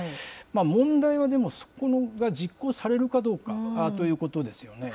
問題はでも、そこが実行されるかどうかということですよね。